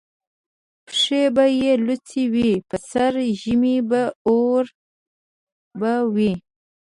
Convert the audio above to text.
پښې به یې لوڅي وي په سره ژمي بې اوره به وي